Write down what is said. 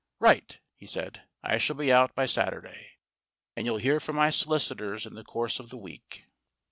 "Right," he said. "I shall be out by Saturday. And you'll hear from my solicitors in the course of the week."